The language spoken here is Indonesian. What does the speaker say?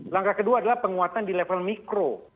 langkah kedua adalah penguatan di level mikro